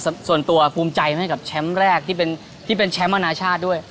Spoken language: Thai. แต่ว่าส่วนตัวภืมใจมันได้กับแชมป์แรกที่เป็นแชมป์อนาชาติด้วย